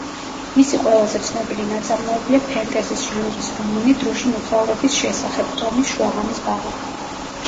მისი ყველაზე ცნობილი ნაწარმოებია ფენტეზის ჟანრის რომანი დროში მოგზაურობის შესახებ, „ტომის შუაღამის ბაღი“.